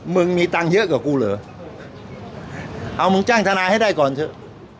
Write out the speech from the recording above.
มึงมีตังค์เยอะกว่ากูเหรอเอามึงจ้างทนายให้ได้ก่อนเถอะ